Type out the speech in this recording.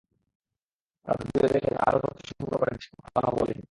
তারা ভিডিও দেখে এবং আরও তথ্য সংগ্রহ করে ম্যাচটিকে পাতানো বলেছে।